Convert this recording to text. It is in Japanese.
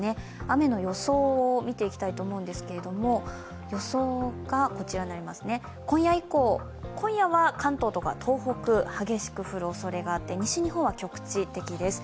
雨の予想を見ていきたいと思うんですけれども今夜は関東とか東北、激しく降るおそれがあって西日本は局地的です。